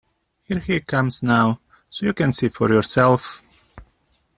Here he comes now, so you can see for yourself.